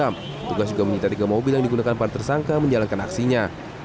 petugas juga menyita tiga mobil yang digunakan para tersangka menjalankan aksinya